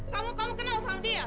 kamu kenal sama dia